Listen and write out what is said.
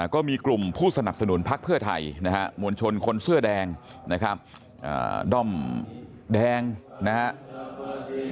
ก็มีกลุ่มผู้สนับสนุนภักดิ์เพื่อไทยมวลชนคนเสื้อแดงด้อมแดงนะครับ